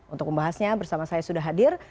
untuk membahasnya bersama saya sudah hadir